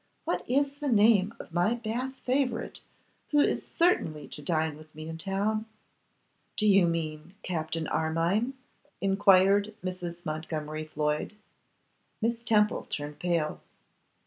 What is the name of my Bath favourite who is certainly to dine with me in town?' 'Do you mean Captain Armine?' enquired Mrs. Montgomery Floyd. Miss Temple turned pale.